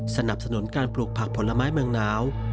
สนับสนุนการปลูกผักผลไม้เมืองหนาว